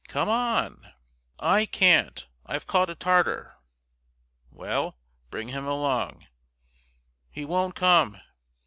"Come on!" "I can't! I've caught a Tartar." "Well, bring him along." "He won't come."